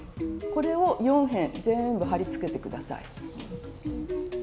これを４辺全部貼り付けて下さい。